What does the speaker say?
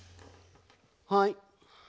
はい。